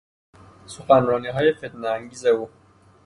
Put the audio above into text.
سخنرانیهای فتنهانگیز او